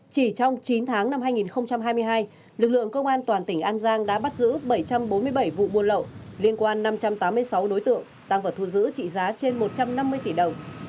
chỉ trong chín tháng năm hai nghìn hai mươi hai lực lượng công an toàn tỉnh an giang đã bắt giữ bảy trăm bốn mươi bảy vụ buôn lậu liên quan năm trăm tám mươi sáu đối tượng tăng vật thu giữ trị giá trên một trăm năm mươi tỷ đồng